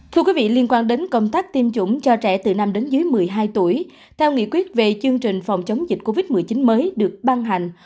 thưa quý vị liên quan đến công tác tiêm chủng cho trẻ từ năm đến dưới một mươi hai tuổi theo nghị quyết về chương trình phòng chống dịch covid một mươi chín mới được ban hành